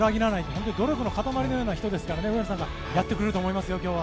本当に努力の塊のような人ですから上野さんがやってくれると思いますよ今日は。